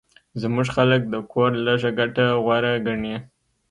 زموږ خلک د کور لږه ګټه غوره ګڼي